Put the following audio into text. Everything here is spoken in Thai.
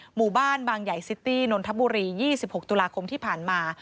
หมู่บ้านบางใหญ่ซิตี้นนทบุรี๒๖ตุลาคมที่ผ่านมา